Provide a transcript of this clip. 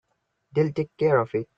They'll take care of it.